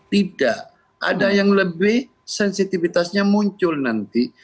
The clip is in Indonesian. tidak ada yang lebih sensitivitasnya muncul nanti